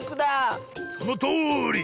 そのとおり！